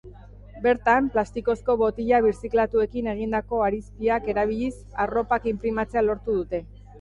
Bertan, plastikozko botila birziklatuekin egindako harizpiak erabiliz, arropak inprimatzea lortu dute.